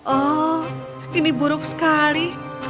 oh ini buruk sekali